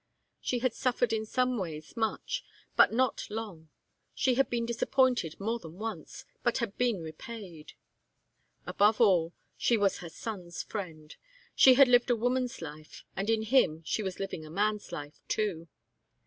She had suffered in some ways much, but not long; she had been disappointed more than once, but had been repaid. Above all, she was her son's friend. She had lived a woman's life, and in him she was living a man's life, too.